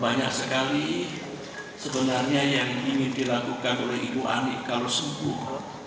banyak sekali sebenarnya yang ingin dilakukan oleh ibu ani kalau sembuh